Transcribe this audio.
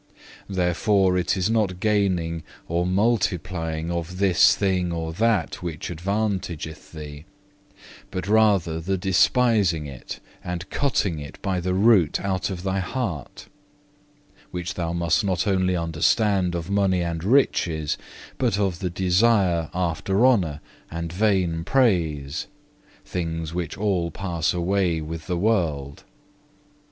3. "Therefore it is not gaining or multiplying of this thing or that which advantageth thee, but rather the despising it and cutting it by the root out of thy heart; which thou must not only understand of money and riches, but of the desire after honour and vain praise, things which all pass away with the world.